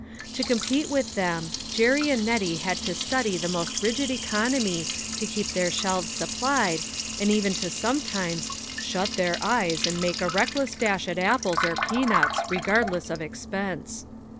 To compete with them, Jerry and Nettie had to study the most rigid economy to keep their shelves supplied, and even to sometimes " shut their eyes and make a reckless dash at apples or peanuts, regardless of expense."